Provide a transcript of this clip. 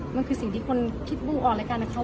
มันคือสิ่งที่คนคิดบู้ออกรายการกับเขา